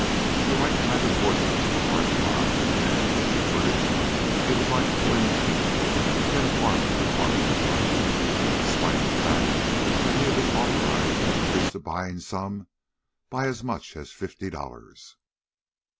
The right kind of horses was hard to buy, and, as he put it, it was like pulling a tooth to get a farmer to part with one, despite the fact that he had been authorized to increase the buying sum by as much as fifty dollars.